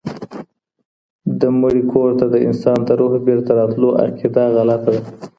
د مړي کور ته د انسان د روح بيرته راتلو عقيده غلطه ده